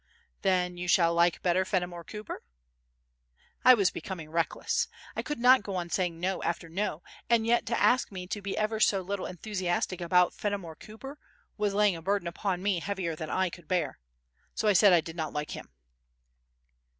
"Then you shall like better Fenimore Cooper?" I was becoming reckless. I could not go on saying "No" after "No," and yet to ask me to be ever so little enthusiastic about Fenimore Cooper was laying a burden upon me heavier than I could bear, so I said I did not like him.